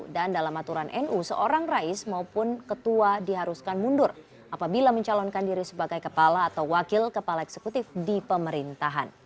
dan dalam aturan nu seorang rais maupun ketua diharuskan mundur apabila mencalonkan diri sebagai kepala atau wakil kepala eksekutif di pemerintahan